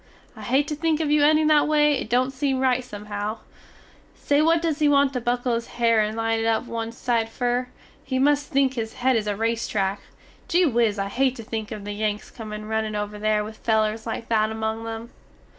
I hate to think of you ending that way it dont seem rite somehow. Say what does he want to buckle his hare and line it up one side fer? He must think his hed is a race track. Gee whiz I hate to think of the Yanks comin runnin over there with felers like that among them.